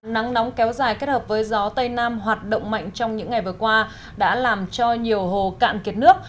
nắng nóng kéo dài kết hợp với gió tây nam hoạt động mạnh trong những ngày vừa qua đã làm cho nhiều hồ cạn kiệt nước